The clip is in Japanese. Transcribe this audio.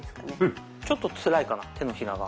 ちょっとツライかな手のひらが。